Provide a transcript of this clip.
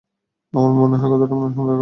আমার মনে হয় কথাটা আপনার শোনা দরকার।